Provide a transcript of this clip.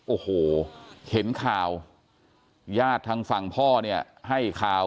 โอ้โหเห็นข่าวญาติทางฝั่งพ่อเนี่ยให้ข่าว